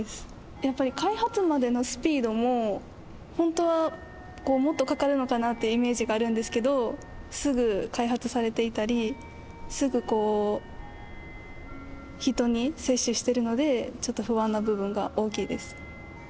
やっぱり開発までのスピードも本当はもっとかかるのかなってイメージがあるんですけど、すぐ開発されていたり、すぐ人に接種してるので、打ちます。